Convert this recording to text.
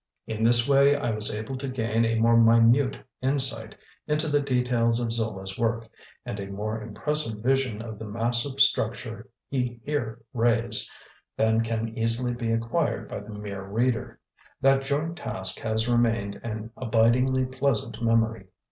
In this way I was able to gain a more minute insight into the details of Zola's work, and a more impressive vision of the massive structure he here raised, than can easily be acquired by the mere reader. That joint task has remained an abidingly pleasant memory.